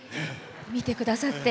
見てくださって。